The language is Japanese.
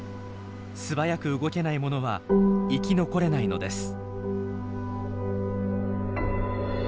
素早く動けない者は生き残れないのです。